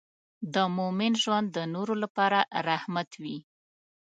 د مؤمن ژوند د نورو لپاره رحمت وي.